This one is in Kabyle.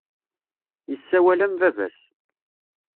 Yessawal am baba-s.